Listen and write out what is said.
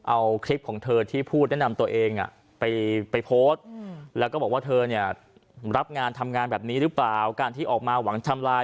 อาจที่จะใช้งานแบบนั้นนะครับแล้วด้วยเนื้อเราสามารถรับลองทำให้